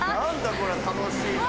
これ楽しいな。